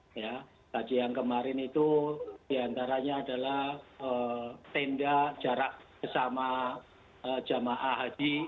hmm ya haji yang kemarin itu diantaranya adalah tenda jarak sama jamaah haji